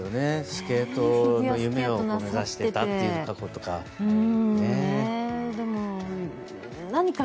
スケートの夢を目指していたということとか。